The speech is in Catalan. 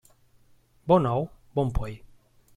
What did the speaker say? Bon ou, bon poll.